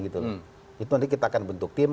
itu nanti kita akan bentuk tim